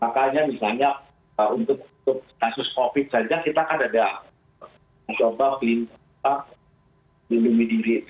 makanya misalnya untuk kasus covid saja kita kan ada mencoba melindungi diri